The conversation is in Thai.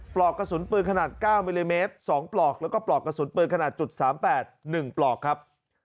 ปลอกกระสุนปืนขนาด๙มิลลิเมตร๒ปลอกแล้วก็ปลอกกระสุนปืนขนาด๓๘๑ปลอกครับ